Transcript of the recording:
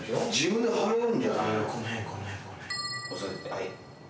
はい。